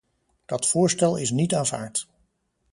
Dat voorstel is niet aanvaard.